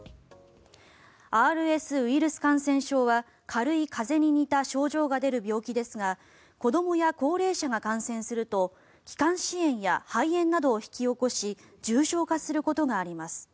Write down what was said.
ＲＳウイルス感染症は軽い風邪に似た症状が出る病気ですが子どもや高齢者が感染すると気管支炎や肺炎などを引き起こし重症化することがあります。